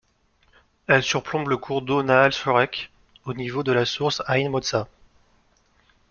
Elle surplombe le cours d'eau Nahal Shorek, au niveau de la source Eïn-Motza.